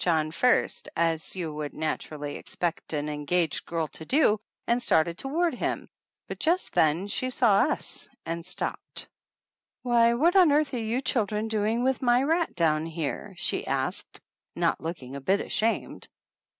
John first, as you would naturally expect an engaged girl to do, and started toward him, but just then she saw us and stopped. "Why, what on earth are you children doing 193 THE ANNALS OF ANN with my rat down here?" she asked, not looking a bit ashamed.